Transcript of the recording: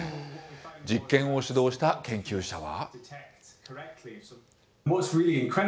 実験を主導した研究者は。